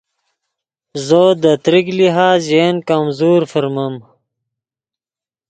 زو دے تریک لحاظ ژے ین کمزور فرمیم